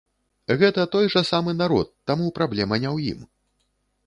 Гэта той жа самы народ, таму праблема не ў ім.